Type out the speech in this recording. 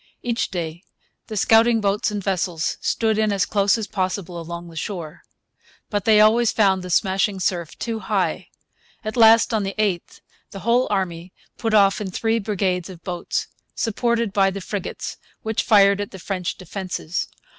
Each day the scouting boats and vessels stood in as close as possible along the shore. But they always found the smashing surf too high. At last, on the 8th, the whole army put off in three brigades of boats, supported by the frigates, which fired at the French defences.